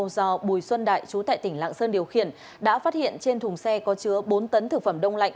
do bùi xuân đại chú tại tỉnh lạng sơn điều khiển đã phát hiện trên thùng xe có chứa bốn tấn thực phẩm đông lạnh